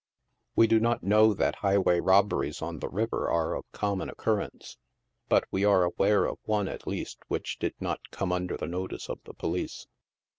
We do not Know that highway robberies on the river are of com mon occurrence, but we are aware of one, at least, which did not come under the notice of the police.